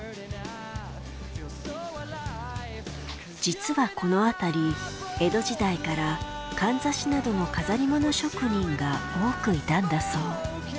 実はこの辺り江戸時代からかんざしなどの飾り物職人が多くいたんだそう。